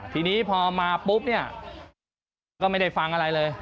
ทีนี้พอมาปุ๊บเนี่ยก็ไม่ได้ฟังอะไรเลย